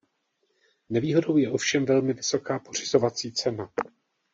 Nevýhodou je ovšem velmi vysoká pořizovací cena.